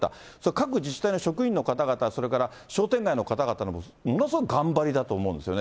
各自治体の職員の方々、それから商店街の方々のものすごく頑張りだと思うんですよね。